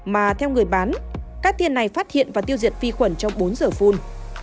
mà theo người bán các tiền này phát hiện và tiêu diệt phi khuẩn trong bốn giờ phun